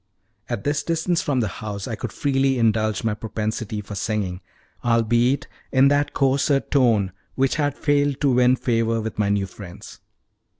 At this distance from the house I could freely indulge my propensity for singing, albeit in that coarser tone which had failed to win favor with my new friends.